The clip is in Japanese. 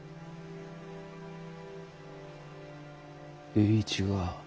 栄一が？